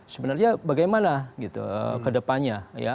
sebenarnya bagaimana ke depannya